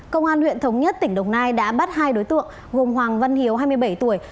công an huyện thống nhất tỉnh đồng nai đã bắt hai đối tượng gồm hoàng văn hiếu hai mươi bảy tuổi